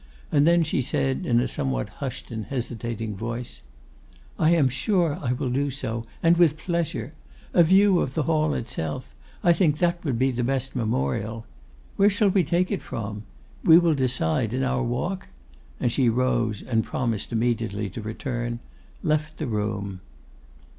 And then she said, in a somewhat hushed and hesitating voice, 'I am sure I will do so; and with pleasure. A view of the Hall itself; I think that would be the best memorial. Where shall we take it from? We will decide in our walk?' and she rose, and promised immediately to return, left the room.